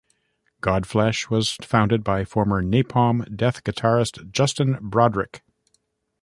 Godflesh was founded by former Napalm Death guitarist Justin Broadrick.